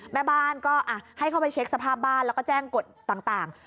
แม่บ้านก็ให้เข้าไปเช็คสภาพบ้านแล้วก็แจ้งกฎต่าง